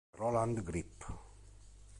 Roland Grip